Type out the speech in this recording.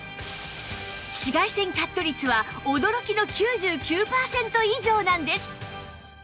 紫外線カット率は驚きの９９パーセント以上なんです